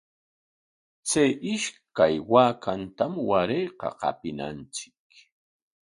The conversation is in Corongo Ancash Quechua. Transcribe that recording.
Chay ishkay waakatam warayqa qapinachik.